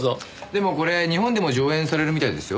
でもこれ日本でも上演されるみたいですよ。